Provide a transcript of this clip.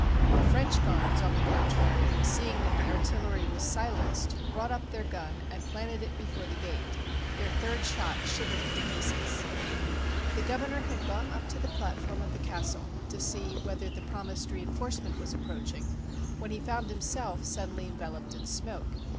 The French guards, on the contrary, seeing that the artillery was silenced, brought up their gun and planted it before the gate; their third shot shivered it to pieces. The governor had gone up to the platform of the castle to see whether the promised reinforcement was ap proaching, when he found himself suddenly enveloped in smoke.